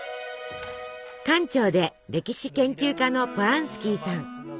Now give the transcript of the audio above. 館長で歴史研究家のポランスキーさん。